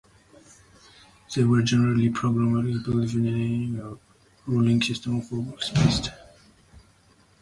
They were generally pragmatic, believing in a ruling system of what works best.